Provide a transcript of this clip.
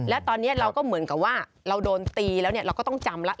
และตอนนี้เราก็เหมือนกับว่าเราโดนตีแล้วเราก็ต้องจำแล้ว